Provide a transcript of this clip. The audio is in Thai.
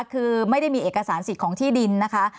คือไม่ได้มีเอกสารสิทธิ์ของที่ดินนะคะ